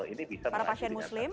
ini bisa menghasilkan